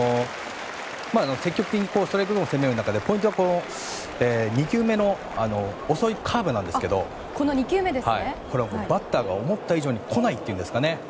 積極的にストライクゾーンを攻める中でポイントは２球目の遅いカーブなんですけどバッターが思った以上に来ないといいますか。